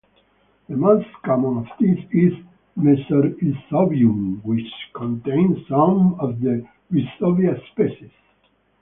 The most common of these is "Mesorhizobium" which contains some of the rhizobia species.